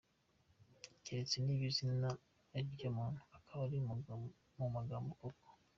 Keretse niba izina ari ryo muntu ukaba uri Magambo koko.